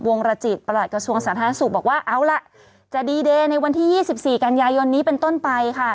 ระจิตประหลัดกระทรวงสาธารณสุขบอกว่าเอาล่ะจะดีเดย์ในวันที่๒๔กันยายนนี้เป็นต้นไปค่ะ